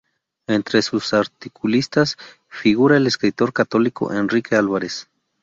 Entre sus articulistas, figura el escritor católico Enrique Álvarez.